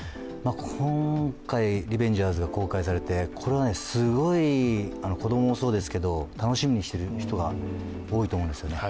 今回、「リベンジャーズ」が公開されてすごい子供もそうですけど、楽しみにしている人が多いと思うんですよね。